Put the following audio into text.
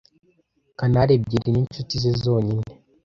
Canari ebyiri ninshuti ze zonyine.